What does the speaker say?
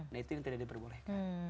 nah itu yang tidak diperbolehkan